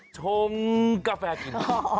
ชมกาแฟกิน